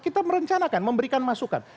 kita merencanakan memberikan masukan